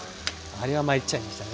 あれはまいっちゃいましたね。